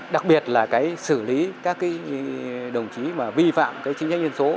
đặc biệt là cái xử lý các cái đồng chí mà vi phạm cái chính sách dân số